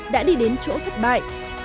đã đi đến chỗ thất bại